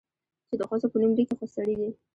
چې د ښځو په نوم ليکي، خو سړي دي؟